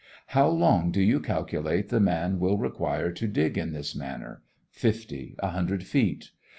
How long do you calculate the man will require to dig in this manner, fifty, a hundred feet?